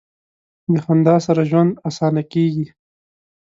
د خندا سره ژوند اسانه کیږي.